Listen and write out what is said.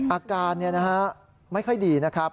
อาการไม่ค่อยดีนะครับ